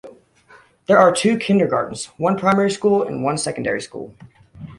There are two kindergartens, one primary school and one secondary school.